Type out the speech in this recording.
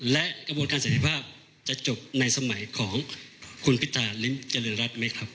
และกระบวนการเสร็จภาพจะจบในสมัยของคุณพิธาริมเจริญรัฐไหมครับ